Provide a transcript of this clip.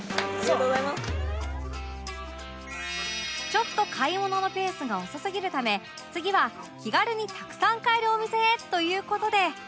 ちょっと買い物のペースが遅すぎるため次は気軽にたくさん買えるお店へという事で